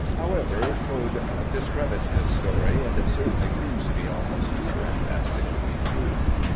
However, Froude discredits this story, and it certainly seems to be almost too fantastic to be true.